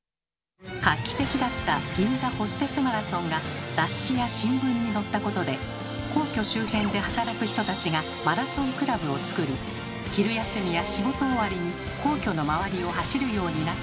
画期的だった「銀座ホステスマラソン」が雑誌や新聞に載ったことで皇居周辺で働く人たちがマラソンクラブをつくり昼休みや仕事終わりに皇居の周りを走るようになったといいます。